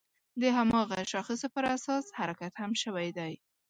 د هماغه شاخصو پر اساس حرکت هم شوی دی.